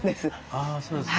あそうですか。